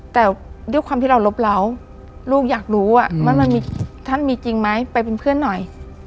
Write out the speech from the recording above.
แต่ด้วยความที่เรารบเล้าลูกอยากรู้ว่ามันมีท่านมีจริงไหมไปเป็นเพื่อนหน่อย